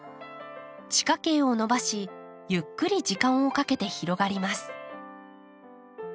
地下茎を伸ばしゆっくり時間をかけて広がります。